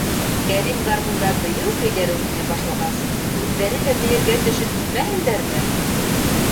Кәрим гармунда бейеү көйҙәре уйнай башлағас, үҙҙәре лә бейергә төшөп китмәһендәрме!